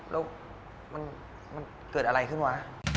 แล้วมันเกิดอะไรขึ้นวะ